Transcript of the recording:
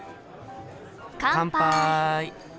乾杯！